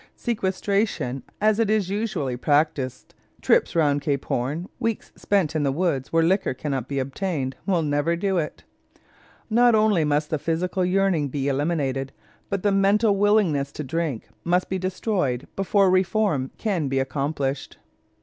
Sequestration as it is usually practised trips round Cape Horn, weeks spent in the woods where liquor cannot be obtained will never do it. Not only must the physical yearning be eliminated, but the mental willingness to drink must be destroyed before reform can be accomplished.